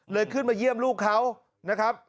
ขึ้นมาเยี่ยมลูกเขานะครับ